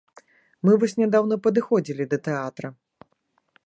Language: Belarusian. Мы вось нядаўна падыходзілі да тэатра.